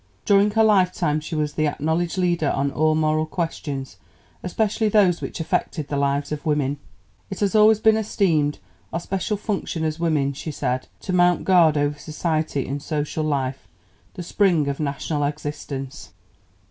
During her life time she was the acknowledged leader on all moral questions, especially those which affected the lives of women. "It has always been esteemed our special function as women," she said, "to mount guard over society and social life the spring of national existence."